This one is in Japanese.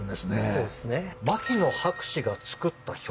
そうですね。